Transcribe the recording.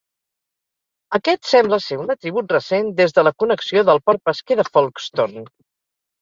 Aquest sembla ser un atribut recent, des de la connexió del port pesquer de Folkestone.